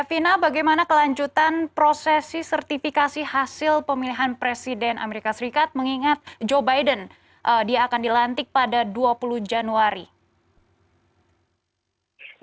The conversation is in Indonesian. fina bagaimana kelanjutan prosesi sertifikasi hasil pemilihan presiden amerika serikat mengingat joe biden dia akan dilantik pada dua puluh januari